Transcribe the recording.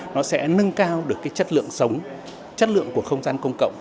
nó sẽ nâng cao được cái chất lượng sống chất lượng của không gian công cộng